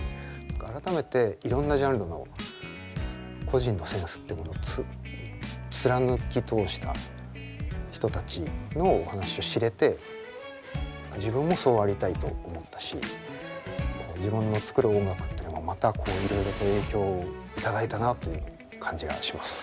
改めていろんなジャンルの個人のセンスってものを貫き通した人たちのお話を知れて自分もそうありたいと思ったし自分の作る音楽ってのもまたこういろいろと影響を頂いたなという感じがします。